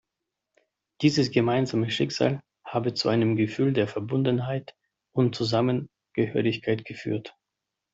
Dieses gemeinsame Schicksal habe zu einem Gefühl der Verbundenheit und Zusammengehörigkeit geführt.